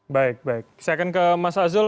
baik baik saya akan ke mas azul